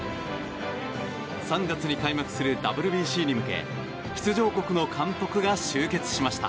３月に開幕するＷＢＣに向け出場国の監督が集結しました。